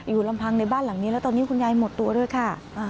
ลำพังในบ้านหลังนี้แล้วตอนนี้คุณยายหมดตัวด้วยค่ะ